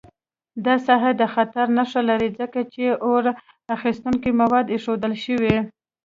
دا ساحه د خطر نښه لري، ځکه چې اور اخیستونکي مواد ایښودل شوي.